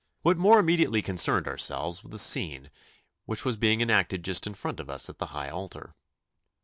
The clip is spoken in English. What more immediately concerned ourselves was the scene which was being enacted just in front of us at the high altar.